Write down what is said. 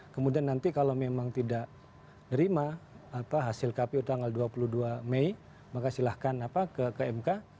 kemudian nanti kalau memang tidak nerima hasil kpu tanggal dua puluh dua mei maka silahkan ke mk